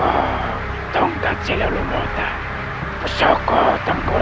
aku ingin membuatmu menjadi seorang yang baik